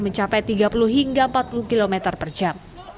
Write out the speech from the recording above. mencapai tiga puluh hingga empat puluh km per jam